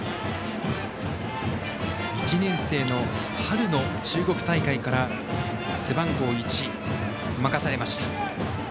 １年生の春の中国大会から背番号１を任されました。